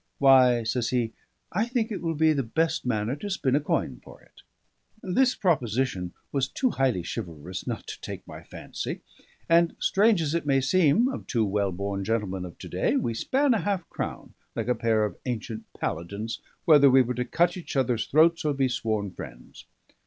"Why," says he, "I think it will be the best manner to spin a coin for it." This proposition was too highly chivalrous not to take my fancy; and, strange as it may seem of two well born gentlemen of to day, we span a half crown (like a pair of ancient paladins) whether we were to cut each other's throats or be sworn friends.